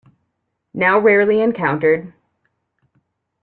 Now rarely encountered.